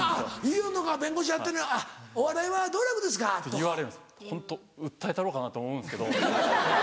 言いよんのか弁護士やって「お笑いは道楽ですか」とか。言われるんですホント訴えたろうかなと思うんですけど。